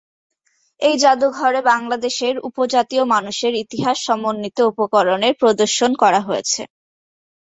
এই জাদুঘরে বাংলাদেশের উপজাতীয় মানুষের ইতিহাস সমন্বিত উপকরণের প্রদর্শন করা হয়েছে।